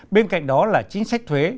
bên cạnh đó là chính sách thuế